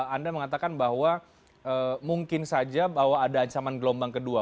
anda mengatakan bahwa mungkin saja bahwa ada ancaman gelombang kedua